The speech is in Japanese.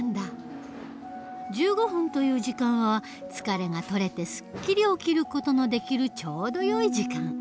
１５分という時間は疲れが取れてすっきり起きる事のできるちょうどよい時間。